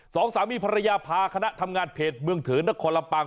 สองสามีภรรยาพาคณะทำงานเพจเมืองเถินนครลำปาง